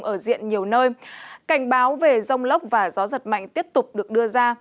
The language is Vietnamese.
ở diện nhiều nơi cảnh báo về rông lốc và gió giật mạnh tiếp tục được đưa ra